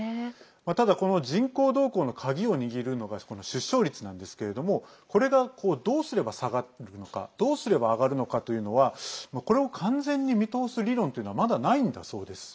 ただ、この人口動向の鍵を握るのが出生率なんですけれどもこれが、どうすれば下がるのかどうすれば上がるのかというのはこれを完全に見通す理論というのはまだ、ないんだそうです。